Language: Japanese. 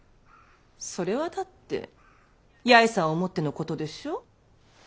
それはだって八重さんを思ってのことでしょう？